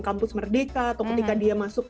kampus merdeka atau ketika dia masuk